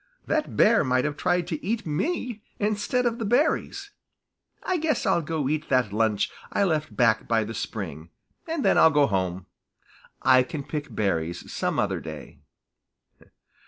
That bear might have tried to eat me instead of the berries. I guess I'll go eat that lunch I left back by the spring, and then I'll go home. I can pick berries some other day."